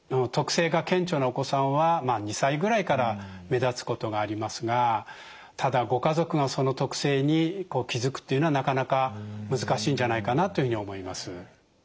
特性が顕著なお子さんは２歳ぐらいから目立つことがありますがただご家族がその特性に気付くっていうのはなかなか難しいんじゃないかなというふうに思います。